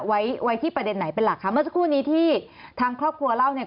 ไว้ไว้ที่ประเด็นไหนเป็นหลักคะเมื่อสักครู่นี้ที่ทางครอบครัวเล่าเนี่ย